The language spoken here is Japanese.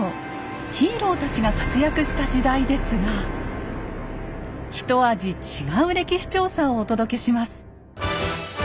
ヒーローたちが活躍した時代ですがひと味違う歴史調査をお届けします。